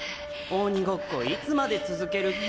鬼ごっこいつまで続ける気？